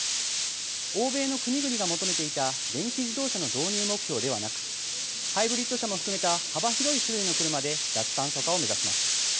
欧米の国々が求めていた電気自動車の導入目標ではなくハイブリッド車も含めた幅広い種類の車で脱炭素化を目指します。